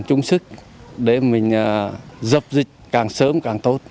chung sức để mình dập dịch càng sớm càng tốt